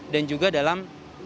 dan juga dalam